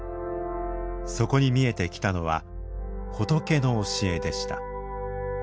そこに見えてきたのは仏の教えでした。